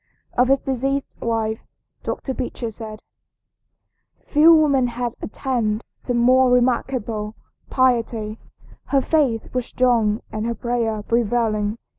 Of his deceased wife Dr. Beecher said: "Few women have attained to more remarkable piety. Her faith was strong and her prayer prevailing.